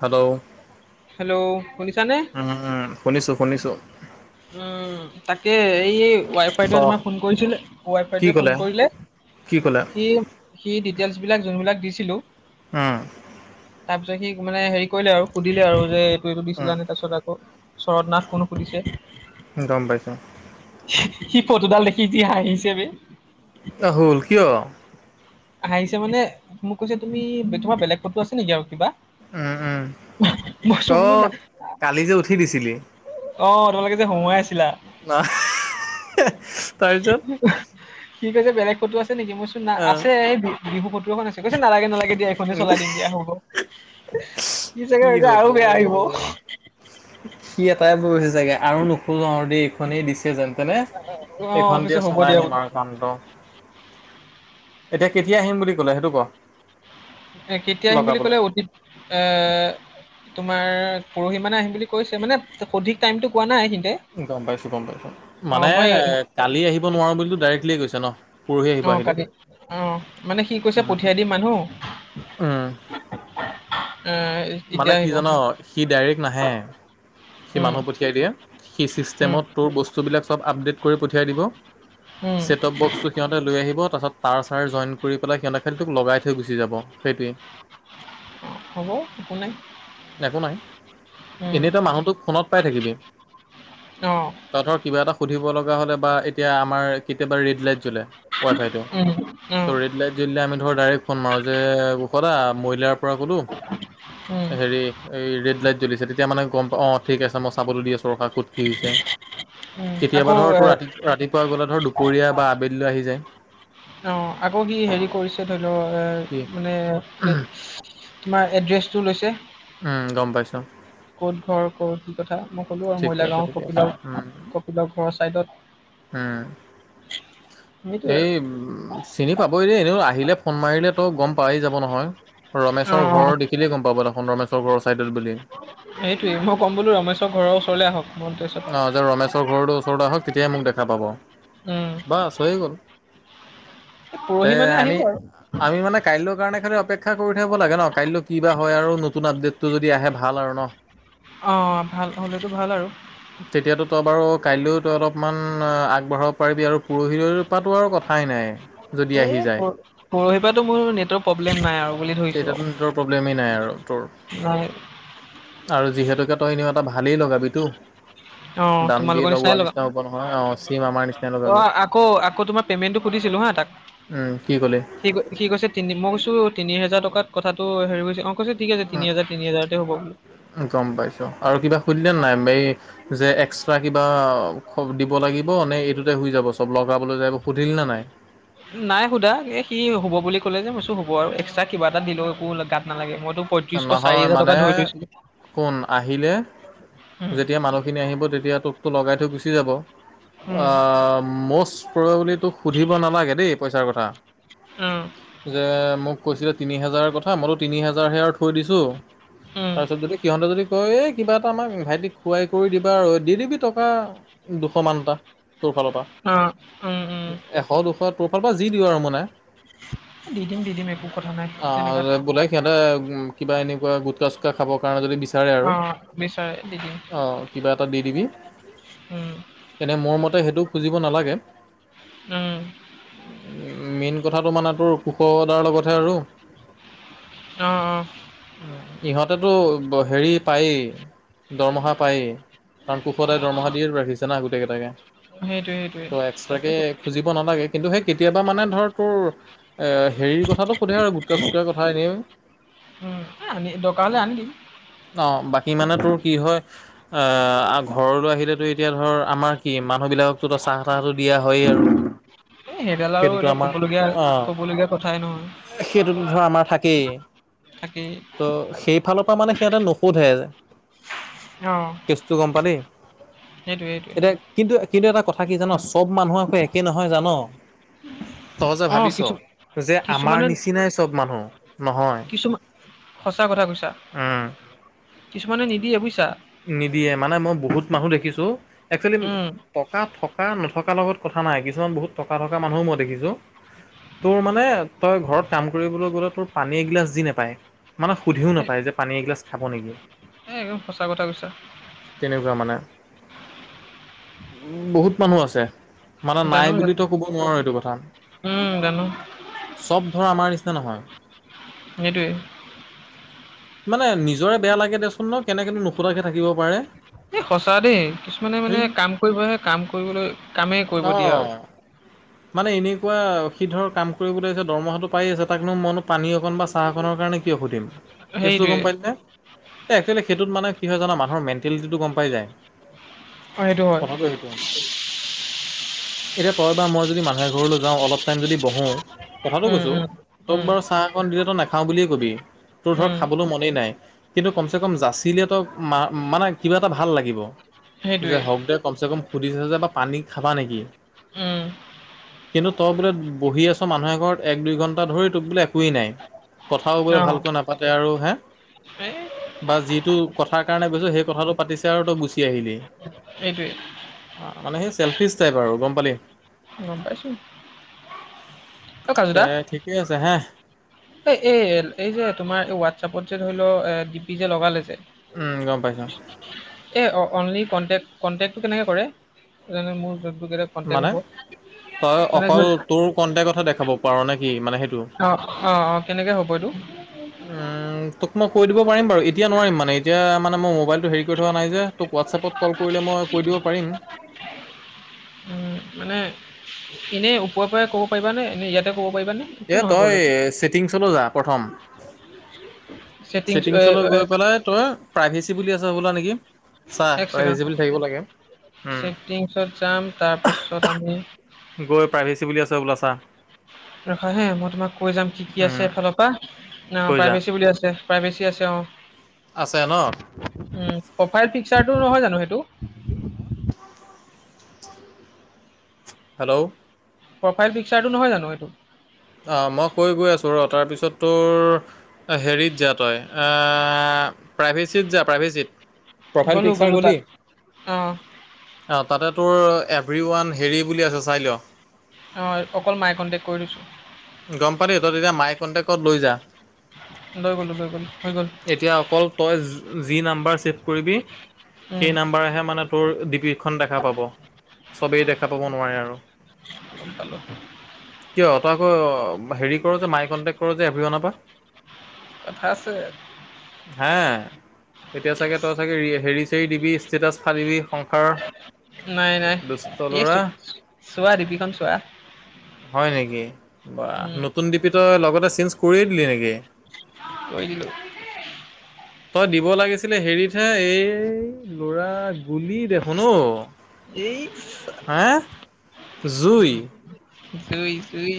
Hello, hello শুনিছানে? উম উম উম উম শুনিছোঁ শুনিছোঁ। উম উ উ উ তাকে এইয়ে ক ৱাই-ফাইটোৱে তোমাৰ ফোন কৰিছিলে, কি ৱাই-ফাইটোৱে ক'লে ফোন কৰিলে কি ক'লা? সি সি ডিটেইলছ বিলাক যোনবিলাক দিছিলোঁ। উম উ উ তাৰপিছত সি মানে হেৰি কৰিলে আৰু সুধিলে আৰু যে এইটো এইটো দিছিলা নে উম তাৰপিছত আক কৌ চৰদ নাথ কোন সুধিছে। গম পাইছোঁ। সি সি ফটো দাল দেখি যি হাঁহিচে বে। ৰাহুল কিয়? হাঁহিচে মানে মোক কৈছে তুমি তোমাৰ বেলেগ ফটো আছে নেকি আৰু কিবা। উম উম উহা মই অহঃ কৈছোঁ অ বোলো নাই। কালি যে উঠি দিছিলি টিউ টিউ অ তোমালোকে যে হঁহোৱাই আছিলা। না আহ বা ইস্ সি আহ সি কৈছে বেলেগ ফটো আছে নেকি? মই কৈছোঁ না আহ আছে এইটো। বিহু ফটো এখন আছে কৈছে নালাগে নালাগে দিয়া এইখনে চলাই দিম দিয়া হ'ব ইস সি সি চাগে কি ভাবিছে হ'ব আৰু বেয়া আহিব উস্ আ হা হা সি এটাই ভাবিছে চাগে আৰু নোখোজো আৰু দেই এইখনেই দিছে যেন তেনে, এইখন অ', পিছে দিয়ে হ'ব চলাই দিয়া নিম বোলো। আৰু কামটো। এতিয়া কেতিয়া আহিম বুলি ক'লে সেইটো ক? এ কেতিয়া আহিম বুলি লগাবলৈ ক'লে অতীত এ এ এ এ তোমাৰ পৰহি মানে আহিম বুলি কৈছে মানে সঠিক টাইমটো কোৱা নাই সিহঁতে গম পাইছোঁ গম পাইছোঁ। অ', মানে মই কালি আহিব নোৱাৰোঁ বুলিটো ডাইৰেক্টলি কৈছে ন। পৰহি আহিব অহ আহিলে কালি, অহ, মানে সি কৈছে উম পঠিয়াই দিম মানুহ। টুং টাং উম। টাং উম আ আ ই ই মানে কি জান সি ডাইৰেক্ট নাহে। সি উম, মানুহ পঠিয়াই দিয়ে। সি উম, চিষ্টেমত তোৰ বস্তুবিলাক চব আপডেট কৰি পঠিয়াই দিব উম, ছেটপ-বক্সটো সিহঁত তাই লৈ আহিব তাৰ পাছত তাৰ-চাৰ জয়েন কৰি পেলাই সিহঁতে খেলটোক লগাই থৈ গুচি যাব সেইটোৱে। হ'ব, একো নাই। একো নাই, উম, এনেই তই মানুহটোক ফোনত পাই থাকিবি। অঁ। তই ধৰ কিবা এটা সুধিব লগা হ'লে বা এতিয়া আমাৰ কেতিয়াবা ৰেড লাইট জলে ৱাই-ফাইটো। উম, অ', ত ৰেড লাইট জলিলে আমি ধৰ ডাইৰেক্ট ফোন মাৰোঁ যে কুষ দা মইলাৰ পৰা ক'লোঁ। চক চক উ আ উম। হেৰি এই ৰেড লাইট জ্বলিছে তেতিয়া মানে গম পা অঁ ঠিক আছে মই চাবলৈ দি আছোঁ ৰখা ক'ত কি হৈছে? উম, আকৌ কেতিয়াবা ধৰ এ তোৰ ৰাতি ৰাতিপুৱা ক'লে ধৰ দুপৰীয়া বা আবেলি লৈ আহি যায়। অ অ অ আকৌ সি হেৰি কৰিছে ধৰি ল এ কি মানে সি ই ই ই তোমাৰ এড্ৰেছটো লৈছে। উম উ উ গম পাইছোঁ। ক'ত ঘৰ? ক'ত, কি কথা? মই ক'লো আৰু ঠিকে মইলা আছে গাঁওৰ ঠিকে আছে উম কপিলৰ-কপিলৰ ঘৰৰ চাইদত। উম উ উ। সেইটোৱে এই আৰু উম উম উম চিনি পাবই দেই এনেইও আহিলে ফোন মাৰিলে তো গম পাই যাব নহয়। ৰমেশৰ অ', ঘৰৰ দেখিলেই গম পাব দেখোন ৰমেশৰ ঘৰৰ চাইডত বুলি। সেইটোৱে মই কম বোলো ৰমেশৰ ঘৰৰ ওচৰলে আহক, মই অ যে ৰমেশৰ ঘৰটো ওচৰলে আহক তেতিয়াই মোক দেখা পাব। উম' বাচ হৈ গ'ল, এই তে পৰহি মানে আমি আহিব আৰু আমি মানে কাইলৈৰ কাৰণে খালি অপেক্ষা কৰি থাকিব লাগে ন, কাইলৈ কি বা হয় আৰু নতুন আপডেটটো যদি আহে ভাল আৰু ন। অ, ভাল, হ'লেতো ভাল আৰু। তেতিয়াতো তই বাৰু, কাইলেও তই অলপমান আগবঢ়াব পাৰিবি আৰু, পৰহিলৈ পাতো আৰু কথ- এই পৰ, পৰহি পৰাটো মোৰ নেটৱৰ্ক প্ৰব্লেম নাই আৰু বুলি ধৰিছো। ইন্টাৰনেটৰ প্ৰব্লেমেই নাই আৰু তোৰ। নাই। আৰু যিহেতুকে, তই এনেও এটা ভালেই লগাবি তো। অ, তোমালোকৰ নিচিনাই লগাম। নহয় চিম আমাৰ নিচিনাই অ, লগাবি আকৌ- আকৌ তোমাৰ পেমেণ্টতো সুধিছিলোঁ হা তাক। উম', কি ক'লে? সি-সি কৈছে তিনি, মই কৈছো, তিনি হেজাৰ টকাত কথাটো হেৰি হৈছে, অ কৈছে ঠিক আছে, তিনি হাজাৰ, তিনি হাজাৰতে হ'ব বুলি। গম পাইছো। আৰু কিবা সুধিলে নাই এই যে এক্সট্ৰা কিবা দিব লাগিব? নে এইটোতে শুই যাব চব। চব লগাবলৈ যায়, এইবোৰ সুধিলি নে নাই? নাই শুধা। সি হ'ব বুলি ক'লে যে মইছো হ'ব আৰু, এক্সট্ৰা কিবা এটা দিলেও, একো গাত নালাগে। মইতো- পঁয়ত্ৰিশ চাৰি নহয় হাজাৰ টকা মানে, ধৰি লৈছিলো কোন আহিলে? উম যেতিয়া মানুহখিনি আহিব, তেতিয়া তোকটো লগাই থৈ গুচি যাব। আ, উম ম'ষ্ট প্ৰয়ৰ বুলি তোক, সুধিব নালাগে দেই পইচাৰ কথা। উম যে মোক কৈছিলে, তিনি হাজাৰৰ কথা, মইতো তিনি হাজাৰ হে আৰু। দিছো। উম তাৰ পিছত যদি সিহঁতে যদি কয়, এই কিবা এটা আমাক ভাইটিক, খুৱাই কৰি দিবা আৰু, দি দিবি টকা দুশ মান এটা। তোৰফালৰ পৰা। অঁ এশ, দুশ তোৰ ফালৰ পৰা যি দিয় আৰু মানে। এই দি দিম, দি দিম একো কথা নাই, তেনেকুৱাত। আহ বোলে সিহঁতে কিবা এনেকুৱা, গুটকা-চুটকা খাবৰ কাৰণে যদি বিচ- বিচাৰে অ আৰু, বিচাৰে দি দিম অ, কিবা এটা দি দিবি। উম' এনে মোৰ মতে, সেইটো খুজিব নালাগে। উম' উম' মেইন কথাটো মানে তোৰ, কুশ দাৰ লগতহে আৰু। অঁ-অঁ ইহঁতেতো হেৰি পায়েই- দৰমহা পায়েই, কাৰণ কুশদাই দৰমহা দি ৰাখিছে না গোটেই কেইটাকে। সেইটোৱে সেইটোৱে তো তাকে এক্সট্ৰাকে খুজিব নালাগে, কিন্তু সেই কেতিয়াবা মানে ধৰ তোৰ হেৰিৰ কথাটো সোধে আৰু গুটকা-চুটকা কথা এনেই। উম, এ আনি, দৰকাৰ হ'লে আনি দিম। অ' বাকী মানে তোৰ কি হয়। অ' ঘৰলৈ আহিলেতো এতিয়া ধৰ আমাৰ। কি মানুহ বিলাক তু চাহ তাহটো দিয়া হয়য়ে আৰু। এই সেইডাল আৰু সেইটোতো এতিয়া আমাৰ ক'বলগীয়া অ', ক'বলগীয়া কথা। সেইটোতো ধৰ আমাৰ থাকেই। থাকে। ত' সেই ফালৰ পৰা মানে, সিহঁতে নোসোধে যে অ কেচটো গম পালি, সেইটোৱে সেইটোৱে এতিয়া কিন্তু-কিন্তু এটা কথা কি জান, চব মানুহ আকৌ একে নহয় জান? তহ যে অ ভাবিছ, কিছু যে আমাৰ কিছুমানে নিচিনাই চব মানুহ নহয়? কিছুমান সঁচা কথা কৈছা, উম, কিছুমানে নিদিয়ে বুজিছা। নিদিয়ে মানে মই বহুত মানুহ দেখিছো, একচুৱেলি উম টকা থকা নথকাৰ লগত কথা নাই, কিছুমান বহুত টকা থকা মানুহও মই দেখিছো। তোৰ মানে তই ঘৰত কাম কৰিবলৈ গ'লে তোৰ পানী এগিলাচ দি নাপায়। মানে সুধিও এ নাপায় যে পানী এগিলাছ খাব নেকি? এ একদম সঁচা কথা কৈছা। তেনেকুৱা মানে? উম বহুত মানুহ আছে, মানে নাই জানো জানো বুলিতো কব নোৱাৰো এইটো কথা। উম জানো চব ধৰা আমাৰ নিচিনা নহয়। সেইটোৱে মানে নিজৰে বেয়া লাগে দিয়াচোন ন কেনেকনো নুসোধাকে থাকিব পাৰে। এই সঁচা দেই, কিছুমানে মানে সেই কাম কৰিবহে কাম কৰিবলৈ কামেই অ কৰিব দিয়ে আৰু। মানে এনেকুৱা সিধৰ কাম কৰিবলৈছে দৰমহাটো পাই আছে তাকনো মনো পানী অকন বাছ চাহকণনৰ কাৰণে কিয় সুধিম, কেছটো সেইটোৱে গম পাইনে, এই একচুৱেলি সেইটোত মানে কি হয় জানা, মানুহৰ মেণ্টেলিটিটো গম পাই যায়, অ সেইটো হয় কথাটো সেইটো হয়। এতিয়া তই বা মই যদি মানুহে ঘৰলৈ যাওঁ অলপ টাইম যদি বহোঁ, কথাটো উম কৈছোঁ উম তোক উম বাৰু চাহ অকণ দিলেতো নাখাওঁ বুলিয়েই কবি, তোৰ ধৰক উম খাবলৈও মনেই নাই কিন্তু কমচে কম জাচিলেতো। মানে-মানে কিবা এটা ভাল লাগিব যে সেইটোৱে হওক দে কমচে কম সুধিছ যে বা পানী খাবা নেকি? উম। কিন্তু তই বোলে বহি আছ মানুহে ঘৰত, এক- দুই ঘণ্টা ধৰি তোক বোলে একোৱেই নাই। কথাও বলে অ ভালকৈ নাপাতে আৰু হে এই বা যিটো কথাৰ কাৰণে গৈছো সেই কথাটো পাতিছে আৰু তই গুচি আহিলি। সেইটোৱেই। অ মানে সেই চেলফিচ টাইপ আৰু গম পালি? গম পাইছো। অ কাজু দে দা ঠিকেই আছে হে। এই এই এই যে তোমাৰ এই হোৱাটছআপত যে ধৰি লও এ ডিপি যে লগালে যে উম গম পাইছো। এ অ অনলী কণ্টেন্ত কণ্টেন্তটো কেনেকে কৰে। [unintelligible] কনটেক্ট হ'ব। মানে তই মানে ধ অকল তোৰ কণ্টেকতহে দেখাব পাৰ নে কি মানে সেইটো? অহ অ অ, কেনেকে হ'ব এইটো? উম, তোক মই কৈ দিব পাৰিম বাৰু এতিয়া নোৱাৰিম মানে এতিয়া মানে মই মোবাইলটো হেৰি কৰি থোৱা নাই যে? তোক হোৱাটছএপত কল কৰিলে মই কৈ দিব পাৰিম। উম, মানে এনে ওপৰৰ পৰাই ক'ব পাৰিবানে এনে ইয়াত তে ক'ব পাৰিবা নে? একটো এ নহয় তই কলেতো। ছেটিংছলৈ যা প্ৰথম। ছেটিংছ ছেটিংছলৈ গৈ পেলাই তই, প্ৰাইভেচি বুলি আছে ব'লা নেকি? চা এক প্ৰাইভেচি ছেকেণ্ড বুলি থাকিব ৰবা! লাগে। উম, চেটিংছত যাম তাৰপাছত আমি গৈ প্ৰাইভেচি বুলি আছে হবলা চা? ৰখা হে মই তোমাক কৈ যাম কি কি উম, আছে এফালৰ পৰা? না গৈ যা। প্ৰাইভেচি বুলি আছে। প্ৰাইভেচি আছে অঁ। আছে ন? উম, প্ৰফাইল পিকচাৰটো নহয় জানো সেইটো? হেল্ল'! প্ৰফাইল পিকচাৰটো নহয় জানো এইটো? অ', মই কৈ গৈ আছোঁ ৰ তাৰপিছত তোৰ হেৰিত যা তই প্ৰাইভেচিট যা প্ৰাইভেচিট। প্ৰফাইল গ'লোঁ পিকচাৰ গ'লোঁ গলি? তাত অঁ অ', তাতে তোৰ এভৰি ওৱান হেৰি বুলি আছে চাই ল। অ', অকল মাই কণ্টেক্ট কৰি ঠয়ছো। গম পালি তই তেতিয়া মাই কণ্টেক্টত লৈ যা। লৈ গ'লো লৈ গ'লো হৈ গ'ল। এতিয়া অকল তই যি নাম্বাৰ ছেভ কৰিবি উম, সেই নাম্বাৰহে মানে তোৰ ডিপিকখন দেখা পাব চবেই দেখা পাব নোৱাৰে আৰু। গম পালো। কিয় তই আকৌ হেৰি কৰ যে মাই কণ্টেক্ট কৰ যে এভৰিৱানৰ পৰা। কথা আছে। হা এতিয়া চাগে য়েছ তই চাগে হেৰি চেৰি দিবি ষ্টেটাছ ফালিবি সংসাৰ নাই-নাই দুষ্ট এই ল'ৰা চোৱা দিপিখন চোৱা। হয় নেকি বা উম, নতুন ডিপি তই লগতে চেঞ্জ কৰিয়েই দিলি নেকি? কৰি দিলো। তই দিব লাগিছিলে হেৰিতহে এই ল'ৰা গুলি দেখোন ও। এই [unintelligible] হাঁ জুই। জুই-জুই।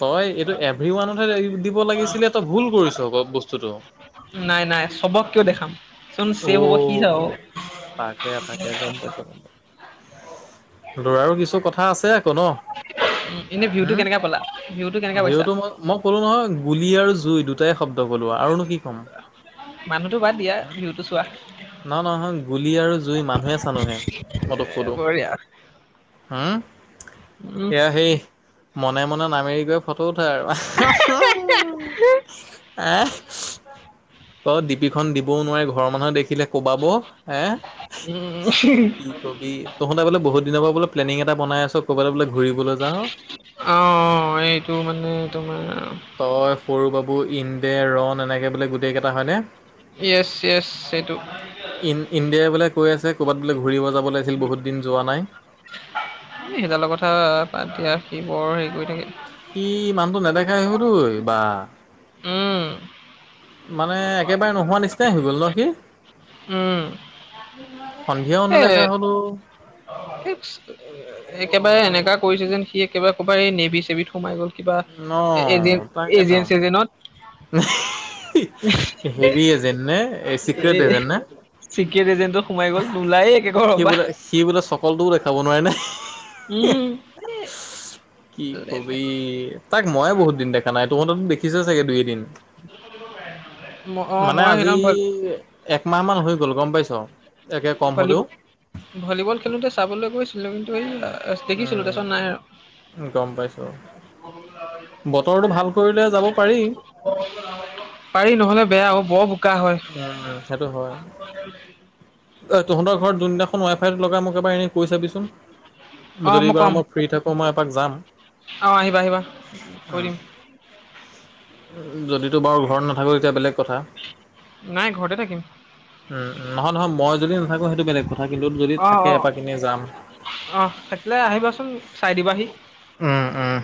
তই এইটো এভৰিৱানত হে দিব লাগিছিলে তই ভুল কৰিছ আক বস্তুতটো। নাই নাই চবক কিয় দেখাম যোন অ চেভ হ'ব সি চাব। তাকে তাকে গম পাইছো। লৰাৰো কিছু কথা আছে আকৌ ন। এনেই ভিউটো হম কেনেকা পালা, ভিউটো কেনেকা পাইছা? ভিঅ'টো মই মই ক'লো নহয় গুলি আৰু জুই দুটাই শব্দ। ক'লো আৰুনো কি ক'ম। মানুহতটো বাদ দিয়া ভিউটো চোৱা। নহ নহয় গুলি আৰু জুই মানুহে চানুহে মই তোক এ, কলো। বঢ়িয়া হা, উম, এয়া [unintelligible] মনে মনে নামেৰি গৈ ফটো উঠাই আৰু [unintelligible] ডিপিখন দিবও নোৱাৰি ঘৰৰ মানুহে দেখিলে কুবাব এ। উম [unintelligible] কি কবি তহঁতে বোলে বহুত দিনৰ পৰা বোলে প্লেনিং এটা বনাই আছ ক'বালই বোলে ঘুৰিবলে যাওঁ। অ', অ' এইটো মানে তোমাৰ তই, সৰু, বাবু, ইন্দে, ৰন, এনেকে বোলে গোটেই কেইটা হয়নে? য়েছ-য়েছ সেইটো ইন ইণ্ডিয়াই বোলে কৈ আছে ক'ৰবাত বোলে ঘূৰিব যাব ওলাইছিল বহুত দিন যোৱা নাই। এ, সেইডালৰ কথা বাদ দিয়া সি বৰ হেৰি কৰি থাকে। সি মানুহটো নেদেখাই হল [unintelligible] বা। উম, মানে একেবাৰে নোহোৱা নিচিনাই হৈ গ'ল ন সি। উম, সন্ধিয়াও এই নেদেখা হলো। [unintelligible] একেবাৰে এনেকা কৰিছে যেন সি একেবাৰে কবাৰ এই নেভি চেভিত সোমাই গ'ল। কিবা অ', তাকেতো। [unintelligible] হেৰি এ যেন নে এ চিক্ৰেট এজেণ্ট নে। চিক্ৰেট এজেণ্টত সোমাই গল নোলাই একে সি ঘৰৰ পা। বোলে সি বোলে চকলটোও দেখাব নোৱাৰে নে? উম। [unintelligible] কি কবি, তাক মই য়ে বহুত দিন দেখা নাই, তহঁতেতো দেখিছয়ে চাগে দুই এদিন। উম', ম- অ', মানে মই সেইদিনা আজি ভল একমাহমান হৈ গ'ল গম পাইছোঁ একে কম হ'লেও', ভলীবল ভলীবল খেলোঁতে চাবলৈ গৈছিলোঁ কিন্তু এই অহ', দেখিছিলোঁ উম, তাৰপিছত নাই আৰু', গম পাইছোঁ বাৰু বতৰটো ভাল কৰিলে যাব পাৰি', পাৰি, নহ'লে বেয়া ওই বৰ বোকা হয়', উম', সেইটো হয়', ওই তহঁতৰ ঘৰত যোনদিনাখন ৱাইফাইতো লগাই, মোক এবাৰ এনেই কৈ চাবিচোন', অ' যদি বাৰু ক'ম মই ফ্ৰী থাকো, মই এপাক যাম। অ' আহিবা আহিবা কৈ উম', দিম। যদি তই বাৰু ঘৰত নাথাকোঁ তেতিয়া বেলেগ কথা। নাই ঘৰতে থাকিম', উম', -উম', নহয়- নহয়, মই যদি নাথাকোঁ সেইটো বেলেগ কথা, কিন্তু যদি থাকে এপাক এনে যাম', অহ', থাকিলে আহিবাচোন চাই দিবাহি', উম', - উম',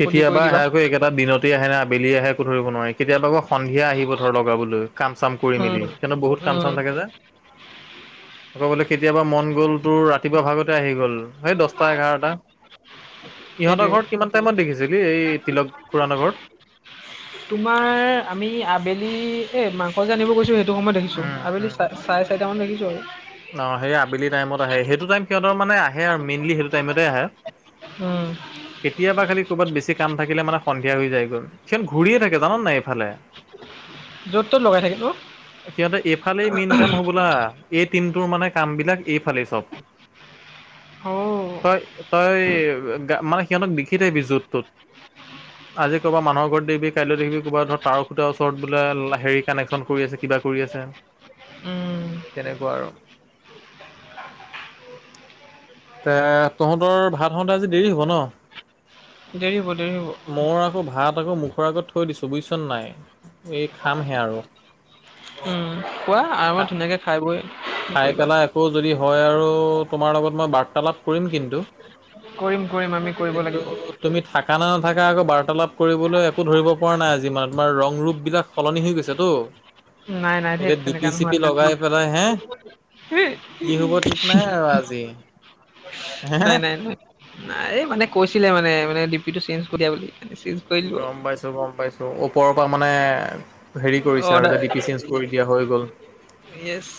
সুধি কৰি আহে দিবা আকৌ এইকেটা দিনত', ৰাতি আহে নে আবেলিয়ে আহে একো ধৰিব নোৱাৰি, কেতিয়াবা আকৌ সন্ধিয়া আহিব ধৰ লগাবলৈ, কাম চাম কৰি উম মেলি', সিহঁতৰ বহুত কাম উম চাম থাকে যে, আকৌ বোলে কেতিয়াবা মন গ'ল তোৰ ৰাতিপুৱা ভাগত', আহি গ'ল সেই দটা এঘাৰটা, ইহঁতৰ সেইটোৱে ঘৰত কিমান', কিমান টাইমত দেখিছিলি এই তিলক খুৰাহঁতৰ ঘৰত? তোমাৰ, আমি আবেলি এই মাংস যে আনিব গৈছোঁ সেইটো', সেইটো সময়ত দেখিছোঁ, উম, আবেলি উম। চা, চাৰে চাৰিটামান দেখিছোঁ আৰু', অ', সেই আবেলি টাইমত আহে, সেইটো টাইম সিহঁতৰ মানে আহে আৰু মেইনলি সেইটো টাইমতে আহে', উম', কেতিয়াবা খালি ক'ৰবাত বেছি কাম থাকিলে মানে সন্ধিয়া হৈ যায়গৈ', সিহঁত ঘূৰিয়ে থাকে জাননে এইফালে', য'ত ত'ত লগাই থাকে ন? সিহঁতে এইফালেই মেইন কাম হ'বলা, এই টিমটোৰ মানে', কাম বিলাক এইফালে চব', অ তই- তই মানে সিহঁতক দেখি থাকিবি য'ত ত'ত', আজি ক'ৰবাত মানুহৰ ঘৰত দেখিবি, কাইলৈ দেখিবি ক'ৰবাত, ধৰ তাৰৰ খূটা ওচৰত বোলে হেৰি কানেকশন কৰি আছে কিবা কৰি আছে', উম', তেনেকুৱা আৰু', এ, তহঁতৰ ভাত হওঁতে আজি দেৰি হ'ব ন? দেৰি হ'ব, দেৰি হ'ব', মোৰ আকৌ ভাত আকৌ মুখৰ আগত থৈ দিছোঁ বুইছ নাই, এই খামহে আৰু', উম', খোৱা আৰামত ধুনীয়াকৈ খাই বৈ', কি খাই কৰিবা? পেলাই আকৌ যদি হয় আৰু তোমাৰ লগত মই বাৰ্তালাপ কৰিম কিন্তু', কৰিম- কৰিম আমি কৰিব কিন্তু লাগিব', তুমি থাকা নে নাথাকা আকৌ বাৰ্তালাপ কৰিবলৈ একো ধৰিব পৰা নাই আজি, মানে তোমাৰ ৰং ৰূপ বিলাক', সলনি হৈ গৈছেতো, নাই নাই ধেত এতিয়া তেনেকা ডিপি-চিপি নহয় লগাই পেলাই হে', কি হ'ব ঠিক নাই আৰু আজি? হে নাই -নাই -নাই', নাই, এই মানে কৈছিলে মানে ডিপিতো চেঞ্জ কৰি দিয়া বুলি সেইকাৰণে চেঞ্জ', কৰি দিলোঁ আৰু। গম পাইছোঁ, গম পাইছোঁ, ওপৰৰ পৰা মানে', হেৰি কৰিছা আৰু যে ডি পি চেঞ্জ কৰি দিয়া হৈ গ'ল', ইয়েছ',